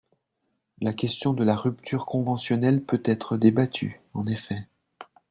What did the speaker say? La question de la rupture conventionnelle peut être débattue, En effet